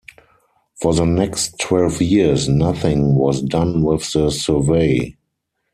For the next twelve years nothing was done with the survey.